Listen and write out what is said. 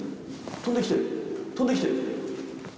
飛んできてる、飛んできてる。